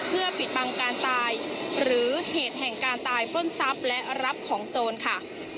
เพื่อปิดบังการตายหรือเหตุแห่งการตายปล้นทรัพย์และรับของโจรค่ะ